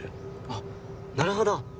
あっなるほど！